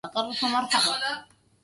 هي طلعة السعد الأغر فمرحبا